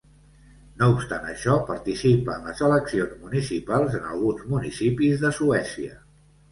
No obstant això, participa en les eleccions municipals en alguns municipis de Suècia.